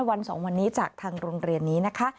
วันสองวันนี้จากทางโรงเรียนนี้นะคะ